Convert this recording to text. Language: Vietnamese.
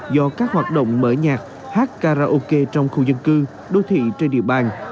do các hoạt động mở nhạc hát karaoke trong khu dân cư đô thị trên địa bàn